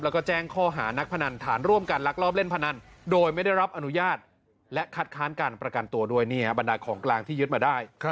แล้วก็แจ้งข้อหานักพนันฐานร่วมกันลักลอบเล่นพนันโดยไม่ได้รับอนุญาตและคัดค้านการประกันตัวด้วยบรรดาของกลางที่ยึดมาได้